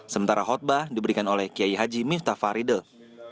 sementara khutbah diberikan oleh kiai haji miftah faridul